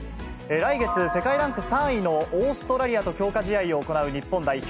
来月、世界ランク３位のオーストラリアと強化試合を行う日本代表。